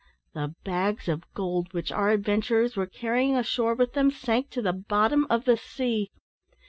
the bags of gold which our adventurers were carrying ashore with them, sank to the bottom of the sea!